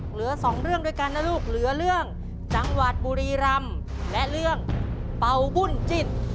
เหลือสองเรื่องด้วยกันนะลูกเหลือเรื่องจังหวัดบุรีรำและเรื่องเป่าบุญจิต